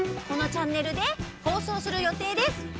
このチャンネルで放送するよていです。